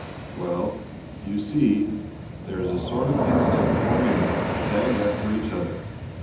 "Well, you see there is a sort of instinct born in 'em to tag after each other.